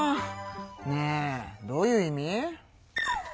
ねえどういう意味？